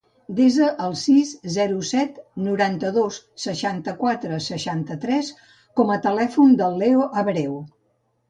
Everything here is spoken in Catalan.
Desa el sis, zero, set, noranta-dos, seixanta-quatre, seixanta-tres com a telèfon del Leo Abreu.